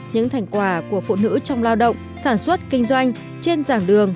những thành quả của phụ nữ trong lao động sản xuất kinh doanh trên dạng đường